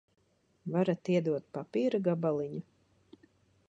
Varat iedot papīra gabaliņu?